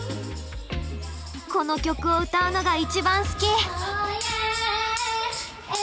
この曲を歌うのが一番好き！